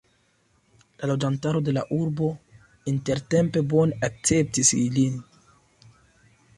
La loĝantaro de la urbo intertempe bone akceptis ilin.